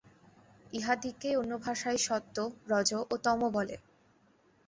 ইহাদিগকেই অন্য ভাষায় সত্ত্ব, রজ ও তম বলে।